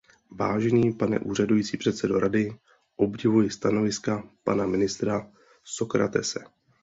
Vážený pane úřadující předsedo Rady, obdivuji stanoviska pana ministra Socratese.